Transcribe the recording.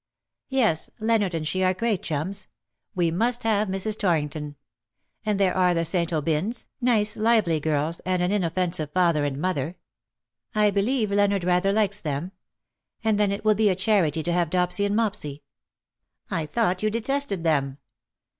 " Yes, Leonard and she are great chums. We must have Mrs. Torrington. And there are the St. Aubyns, nice lively girls and an inoffensive father and mother. I believe Leonard rather likes them. And then it will be a charity to have Dopsy and Mopsy/^ ^' I thought you detested them.